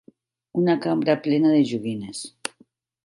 Una cambra plena de joguines.